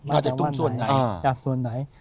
อาจจะตุ๊กส่วนไหน